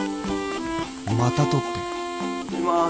また撮っていきます。